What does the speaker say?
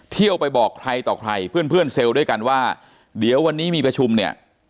เที่ยวไปบอกใครต่อใครเพื่อนเพื่อนเซลล์ด้วยกันว่าเดี๋ยววันนี้มีประชุมเนี่ย